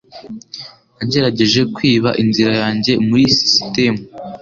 Nagerageje kwiba inzira yanjye muri sisitemu